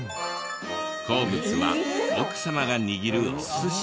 好物は奥様が握るお寿司。